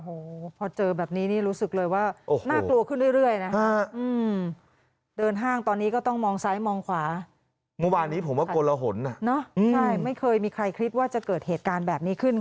โอ้โฮพอเจอแบบนี้รู้สึกเลยว่าน่ากลัวขึ้นเรื่อยนะฮะ